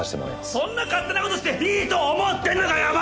そんな勝手な事していいと思ってんのかよお前！